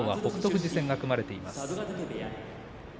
富士戦が組まれています。